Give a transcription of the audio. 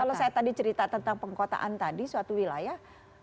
kalau saya tadi cerita tentang pengkotaan tadi suatu wilayah